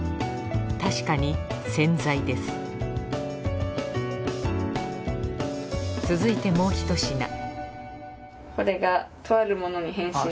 確かに洗剤です続いてもう１品